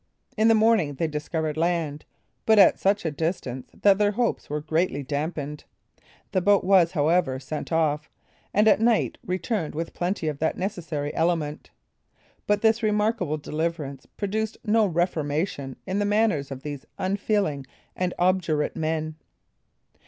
In the morning they discovered land, but at such a distance that their hopes were greatly dampened. The boat was however sent off, and at night returned with plenty of that necessary element. But this remarkable deliverance produced no reformation in the manners of these unfeeling and obdurate men.